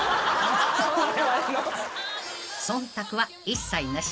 ［忖度は一切なし］